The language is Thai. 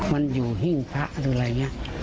มันอยู่หิ้งพระหรืออะไรอย่างนี้